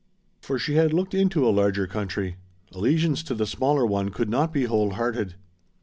For she had looked into a larger country. Allegiance to the smaller one could not be whole hearted.